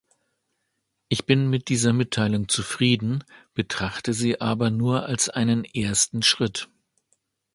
Ich bin mit dieser Mitteilung zufrieden, betrachte sie aber nur als einen ersten Schritt.